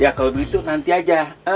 ya kalau begitu nanti aja